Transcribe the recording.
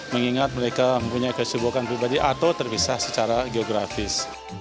mengingat mereka mempunyai kesibukan pribadi atau terpisah secara geografis